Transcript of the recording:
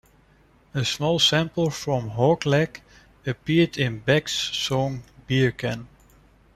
A small sample from "Hog Leg" appeared in Beck's song "Beercan".